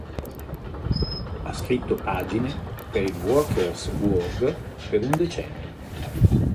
Ha scritto pagine per il "Workers World" per un decennio.